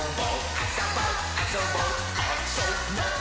「あそぼあそぼあ・そ・ぼっ」